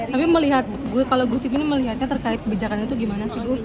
tapi melihat kalau gus imin melihatnya terkait kebijakan itu gimana sih gus